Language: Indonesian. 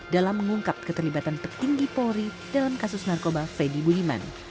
dalam mengungkap keterlibatan petinggi polri dalam kasus narkoba freddy budiman